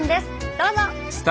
どうぞ！